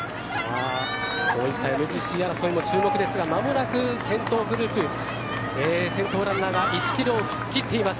こういったＭＧＣ争いも注目ですが間もなく先頭グループ、先頭ランナーが１キロを吹っ切っています。